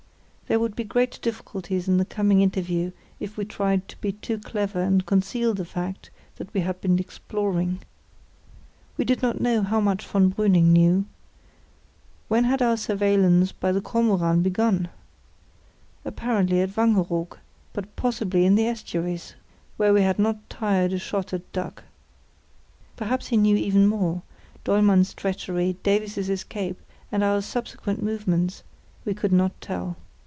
There would be great difficulties in the coming interview if we tried to be too clever and conceal the fact that we had been exploring. We did not know how much von Brüning knew. When had our surveillance by the Kormoran begun? Apparently at Wangeroog, but possibly in the estuaries, where we had not fired a shot at duck. Perhaps he knew even more—Dollmann's treachery, Davies's escape, and our subsequent movements—we could not tell.